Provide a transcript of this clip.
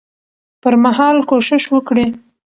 پر مهال کوشش وکړي